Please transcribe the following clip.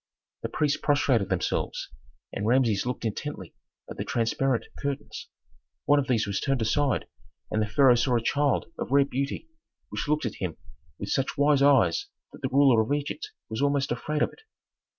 The priests prostrated themselves, and Rameses looked intently at the transparent curtains. One of these was turned aside and the pharaoh saw a child of rare beauty which looked at him with such wise eyes that the ruler of Egypt was almost afraid of it.